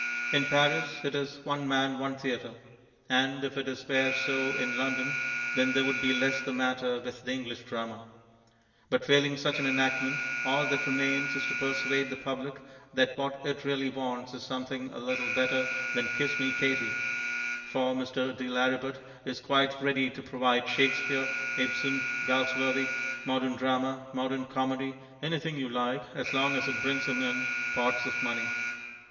In Paris it is "one man, one theatre," and if it were so in London then there would be less the matter with the English Drama. But, failing such an enactment, all that remains is to persuade the public that what it really wants is something a little better than Kiss Me, Katie. For Mr. de Lauributt is quite ready to provide Shakespeare, Ibsen, Galsworthy, modern drama, modern comedy, anything you like as long as it brings him in pots of money.